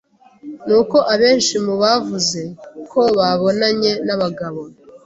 ni uko abenshi mu bavuze ko babonanye n’abagabo